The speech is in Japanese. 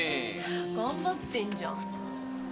頑張ってんじゃん。